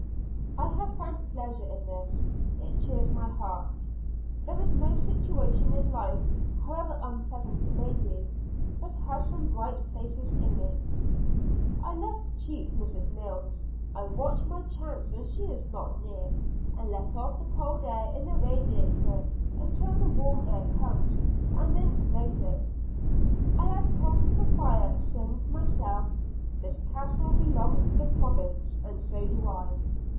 I have found pleasure in this; it cheers my heart. There is no situation in life, however unpleasant it may be, but has some bright places in it. I love to cheat Mrs. Mills; I watch my chance when she is not near, and let off the cold air in the radiator until the warm air comes, and then close it. I add coal to the fire, saying to myself, "This castle belongs to the Province, and so do I.